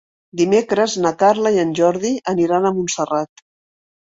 Dimecres na Carla i en Jordi aniran a Montserrat.